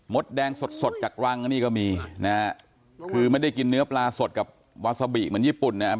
แดงสดสดจากรังนี่ก็มีนะฮะคือไม่ได้กินเนื้อปลาสดกับวาซาบิเหมือนญี่ปุ่นนะครับ